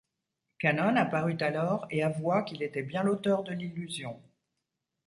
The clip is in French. Kanon apparut alors et avoua qu'il était bien l'auteur de l'illusion.